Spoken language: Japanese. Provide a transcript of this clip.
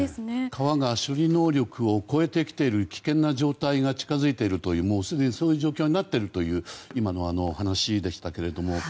川が処理能力を超えてきている危険な状態が近づいているというすでにそういう状況になっているという今の話でしたけれども。